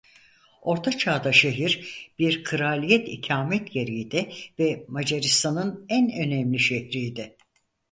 Orta Çağ'da şehir bir kraliyet ikamet yeriydi ve Macaristan'ın en önemli şehriydi.